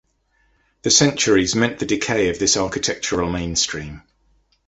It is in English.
The centuries meant the decay of this architectural mainstream.